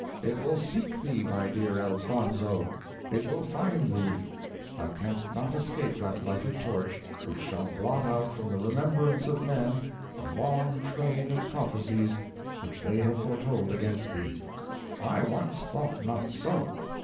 It will seek thee, my dear Elfonzo, it will find thee thou canst not escape that lighted torch, which shall blot out from the remembrance of men a long train of prophecies which they have foretold against thee. I once thought not so.